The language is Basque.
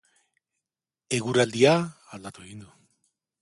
Eguraldia aldatu egin du.